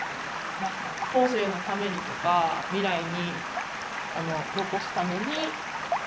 何か「後世のために」とか未来にあの残すために。